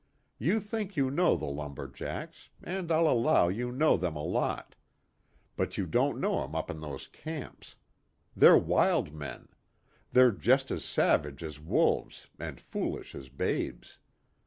"You think you know the lumber jacks, and I'll allow you know them a lot. But you don't know 'em up in those camps. They're wild men. They're just as savage as wolves, and foolish as babes.